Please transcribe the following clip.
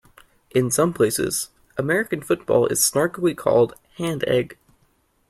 In some places, American football is snarkily called hand-egg.